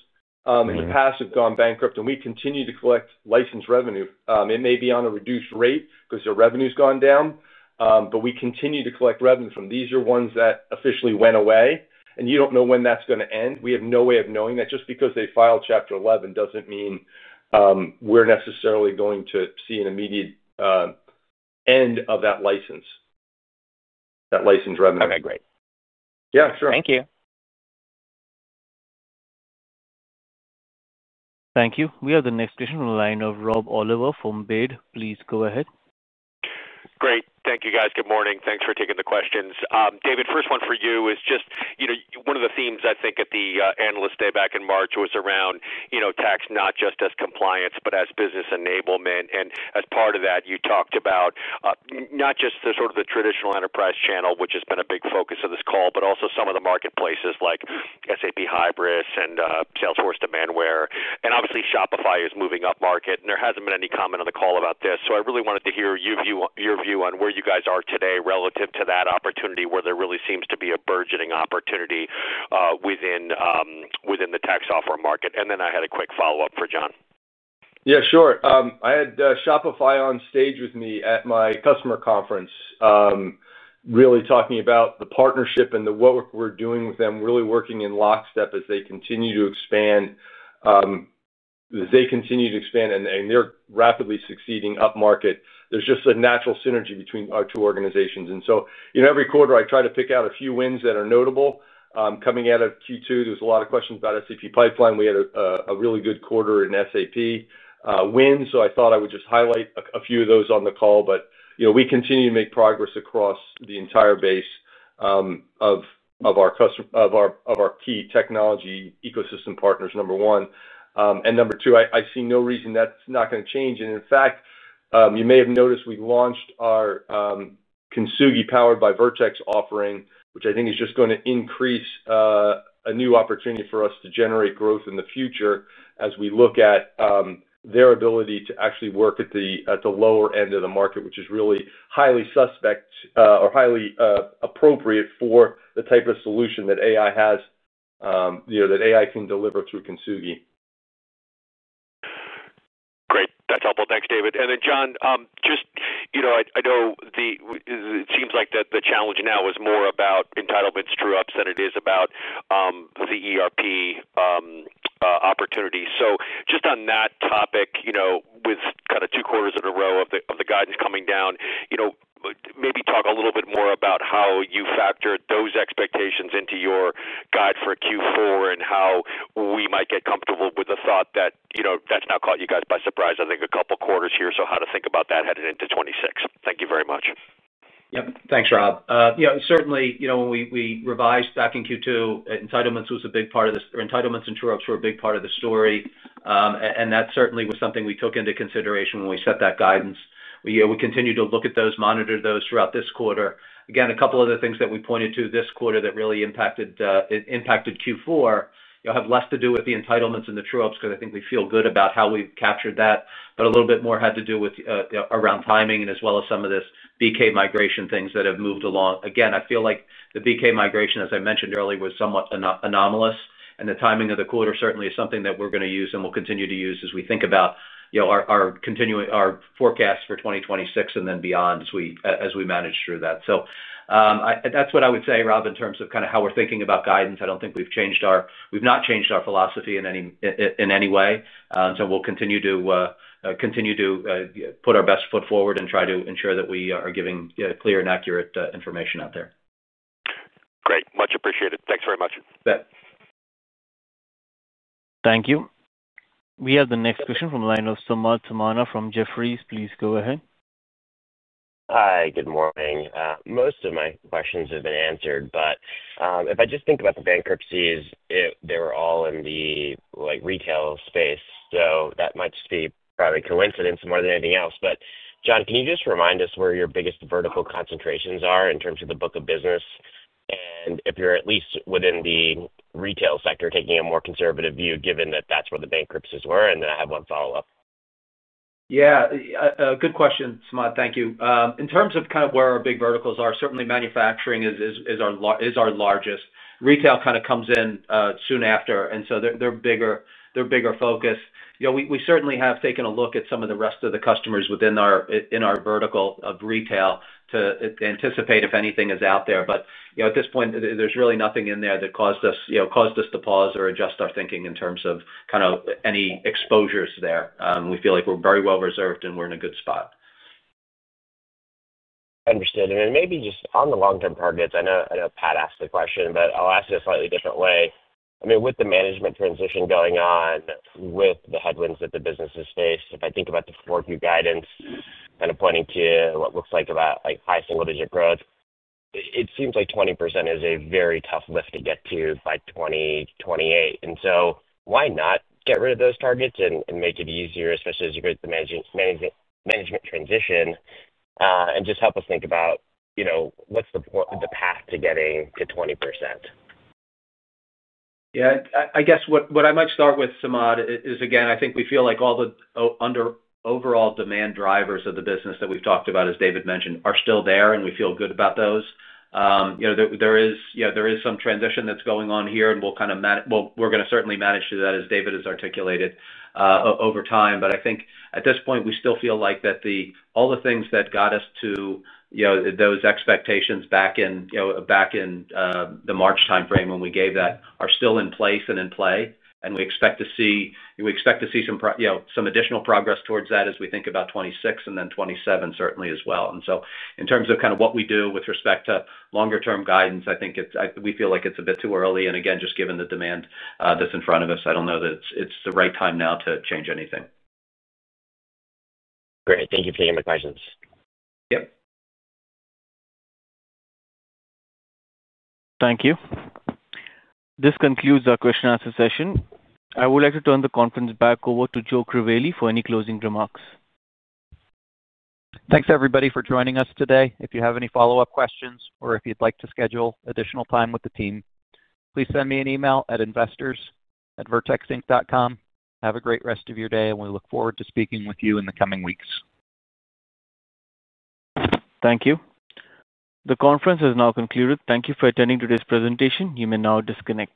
in the past who've gone bankrupt, and we continue to collect license revenue. It may be on a reduced rate because their revenue's gone down, but we continue to collect revenue from these are ones that officially went away. You don't know when that's going to end. We have no way of knowing that. Just because they filed Chapter 11 doesn't mean we're necessarily going to see an immediate end of that license, that license revenue. Okay. Great. Yeah, sure. Thank you. Thank you. We have the next question from the line of Rob Oliver from Baird. Please go ahead. Great. Thank you, guys. Good morning. Thanks for taking the questions. David, first one for you is just one of the themes I think at the analyst day back in March was around tax not just as compliance but as business enablement. As part of that, you talked about not just sort of the traditional enterprise channel, which has been a big focus of this call, but also some of the marketplaces like SAP Hybris and Salesforce to Manware. Obviously, Shopify is moving up market, and there hasn't been any comment on the call about this. I really wanted to hear your view on where you guys are today relative to that opportunity where there really seems to be a burgeoning opportunity within the tax software market. I had a quick follow-up for John. Yeah, sure. I had Shopify on stage with me at my customer conference, really talking about the partnership and the work we're doing with them, really working in lockstep as they continue to expand. As they continue to expand, and they're rapidly succeeding up market, there's just a natural synergy between our two organizations. Every quarter, I try to pick out a few wins that are notable. Coming out of Q2, there was a lot of questions about SAP pipeline. We had a really good quarter in SAP wins. I thought I would just highlight a few of those on the call, but we continue to make progress across the entire base. Of our key technology ecosystem partners, number one. And number two, I see no reason that's not going to change. In fact, you may have noticed we launched our Kintsugi powered by Vertex offering, which I think is just going to increase a new opportunity for us to generate growth in the future as we look at their ability to actually work at the lower end of the market, which is really highly suspect or highly appropriate for the type of solution that AI has, that AI can deliver through Kintsugi. Great. That's helpful. Thanks, David. And then, John, just I know it seems like the challenge now is more about entitlements true-ups than it is about the ERP opportunity. Just on that topic, with kind of two quarters in a row of the guidance coming down, maybe talk a little bit more about how you factor those expectations into your guide for Q4 and how we might get comfortable with the thought that that's not caught you guys by surprise. I think a couple of quarters here. How to think about that headed into 2026. Thank you very much. Yep. Thanks, Rob. Certainly, when we revised back in Q2, entitlements was a big part of this or entitlements and true-ups were a big part of the story. That certainly was something we took into consideration when we set that guidance. We continue to look at those, monitor those throughout this quarter. Again, a couple of other things that we pointed to this quarter that really impacted Q4 have less to do with the entitlements and the true-ups because I think we feel good about how we've captured that. A little bit more had to do with around timing and as well as some of this BK migration things that have moved along. Again, I feel like the BK migration, as I mentioned earlier, was somewhat anomalous. The timing of the quarter certainly is something that we're going to use and will continue to use as we think about our forecast for 2026 and then beyond as we manage through that. That's what I would say, Rob, in terms of kind of how we're thinking about guidance. I don't think we've changed our we've not changed our philosophy in any way. We'll continue to put our best foot forward and try to ensure that we are giving clear and accurate information out there. Great. Much appreciated. Thanks very much. Thank you. We have the next question from the line of Thomas Manna from Jefferies. Please go ahead. Hi. Good morning. Most of my questions have been answered. If I just think about the bankruptcies, they were all in the retail space. That might just be probably coincidence more than anything else. John, can you just remind us where your biggest vertical concentrations are in terms of the book of business. If you're at least within the retail sector, taking a more conservative view, given that that's where the bankruptcies were? I have one follow-up. Yeah. Good question, Thomas. Thank you. In terms of kind of where our big verticals are, certainly manufacturing is our largest. Retail kind of comes in soon after. They're a bigger focus. We certainly have taken a look at some of the rest of the customers within our vertical of retail to anticipate if anything is out there. At this point, there's really nothing in there that caused us to pause or adjust our thinking in terms of any exposures there. We feel like we're very well reserved and we're in a good spot. Understood. Maybe just on the long-term targets, I know Pat asked the question, but I'll ask it a slightly different way. I mean, with the management transition going on with the headwinds that the business has faced, if I think about the four-view guidance kind of pointing to what looks like about high single-digit growth, it seems like 20% is a very tough lift to get to by 2028. Why not get rid of those targets and make it easier, especially as you go through the management transition? Just help us think about what's the path to getting to 20%? Yeah. I guess what I might start with, Thomas, is, again, I think we feel like all the overall demand drivers of the business that we've talked about, as David mentioned, are still there, and we feel good about those. There is some transition that's going on here, and we're going to certainly manage through that, as David has articulated over time. I think at this point, we still feel like that all the things that got us to those expectations back in the March timeframe when we gave that are still in place and in play. We expect to see some additional progress towards that as we think about 2026 and then 2027 certainly as well. In terms of what we do with respect to longer-term guidance, I think we feel like it's a bit too early. Again, just given the demand that's in front of us, I don't know that it's the right time now to change anything. Great. Thank you for taking my questions. Yep. Thank you. This concludes our question-and-answer session. I would like to turn the conference back over to Joe Crivelli for any closing remarks. Thanks, everybody, for joining us today. If you have any follow-up questions or if you'd like to schedule additional time with the team, please send me an email at investors@vertexinc.com. Have a great rest of your day, and we look forward to speaking with you in the coming weeks. Thank you. The conference has now concluded. Thank you for attending today's presentation. You may now disconnect.